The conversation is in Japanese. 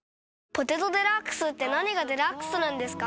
「ポテトデラックス」って何がデラックスなんですか？